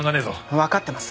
わかってます！